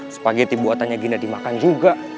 spaghetti buatannya gina dimakan juga